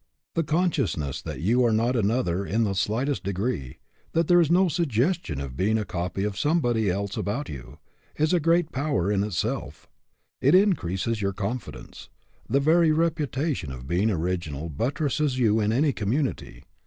The consciousness that you are not another in the slightest degree, that there is no suggestion of being a copy of somebody else about you, is a great power in itself. It increases your confidence. The very reputation of being original buttresses you in any community.